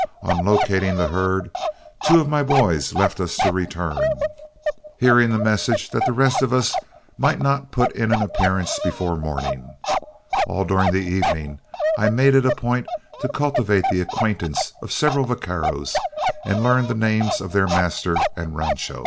On locating the herd, two of my boys left us to return, hearing the message that the rest of us might not put in an appearance before morning. All during the evening, I made it a point to cultivate the acquaintance of several vaqueros, and learned the names of their master and rancho.